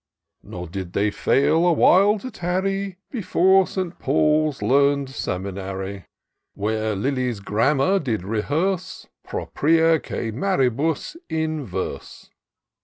Nor did they fail awhile to tarry Before St. Paul's learn'd Seminary, Where Lilly's Grammar did rehearse Propria qucB marihis in verse.